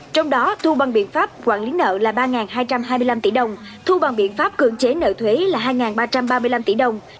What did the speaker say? trong đó thu bằng biện pháp quản lý nợ là ba hai trăm hai mươi năm tỷ đồng thu bằng biện pháp cưỡng chế nợ thuế là hai ba trăm ba mươi năm tỷ đồng